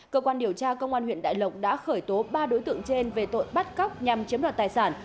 cơ quan điều tra công an huyện đại lộc đã khởi tố ba đối tượng trên về tội bắt cóc nhằm chiếm đoạt tài sản